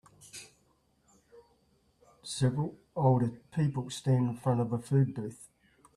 Several older people stand in front of a food booth.